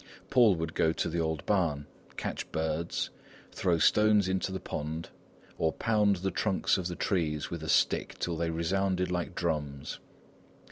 Paul would go to the old barn, catch birds, throw stones into the pond, or pound the trunks of the trees with a stick till they resounded like drums.